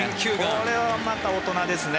これはまた大人ですね。